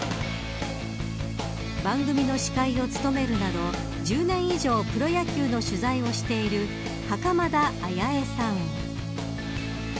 番組の司会を務めるなど１０年以上プロ野球の取材をしている袴田彩会さん。